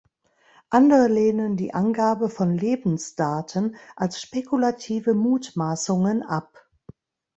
Andere lehnen die Angabe von Lebensdaten als spekulative Mutmaßungen ab.